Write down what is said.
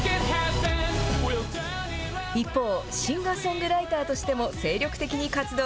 一方、シンガーソングライターとしても精力的に活動。